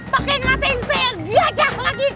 pakai ngatain saya gajah lagi